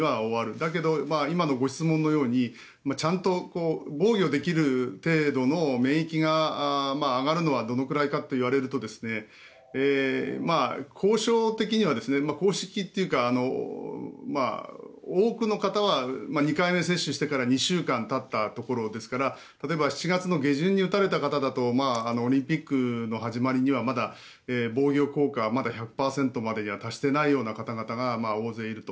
だけど、今のご質問のようにちゃんと防御できる程度の免疫が上がるのはどのくらいかといわれると考証的には公式というか多くの方は２回目接種してから２週間たったところですから例えば７月下旬に打たれた方だとオリンピックの始まりにはまだ防御効果は１００％まで達していないような方々が大勢いると。